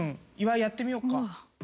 やってみよっか。